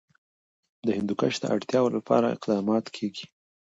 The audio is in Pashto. د هندوکش د اړتیاوو لپاره اقدامات کېږي.